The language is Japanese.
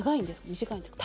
短いんですか？